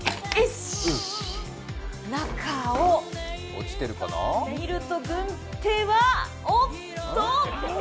中を見ると、軍手はおっと！